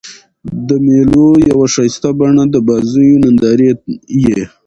د مېلو یوه ښایسته بڼه د بازيو نندارې يي.